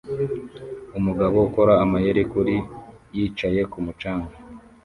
umugabo ukora amayeri kuri yicaye kumu canga